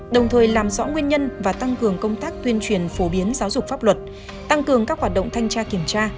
đồng thời làm rõ nguyên nhân và tăng cường công tác tuyên truyền phổ biến giáo dục pháp luật tăng cường các hoạt động thanh tra kiểm tra